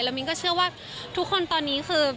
มิ้นก็เชื่อว่าทุกคนตอนนี้คือ